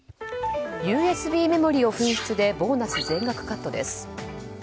ＵＳＢメモリーを紛失でボーナス全額カットです。